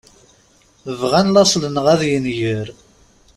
Bɣan laṣel-nneɣ ad yenger.